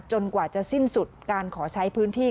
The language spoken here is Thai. กว่าจะสิ้นสุดการขอใช้พื้นที่